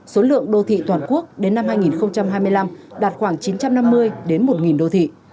số lượng đô thị toàn quốc đến năm hai nghìn hai mươi năm đạt khoảng chín trăm năm mươi đến một đô thị